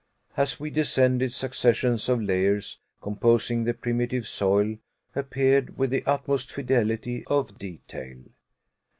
As we descended, successions of layers composing the primitive soil appeared with the utmost fidelity of detail.